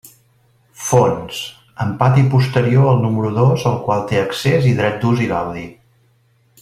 Fons: amb pati posterior al número dos al qual té accés i dret d'ús i gaudi.